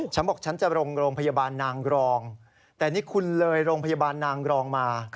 ฉันบอกฉันจะลงโรงพยาบาลนางรองแต่นี่คุณเลยโรงพยาบาลนางรองมา